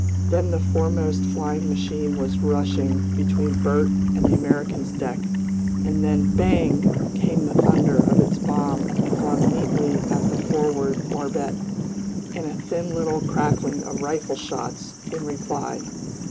Then the foremost flying machine was rushing between Bert and the American's deck, and then bang! came the thunder of its bomb flung neatly at the forward barbette, and a thin little crackling of rifle shots in reply.